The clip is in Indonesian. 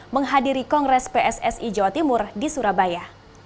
menghadiri kongres pssi jawa timur di surabaya